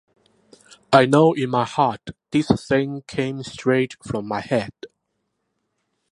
I know in my heart this thing came straight from my head.